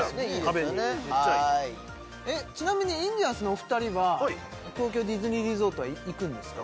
壁にめっちゃいいちなみにインディアンスのお二人は東京ディズニーリゾートは行くんですか？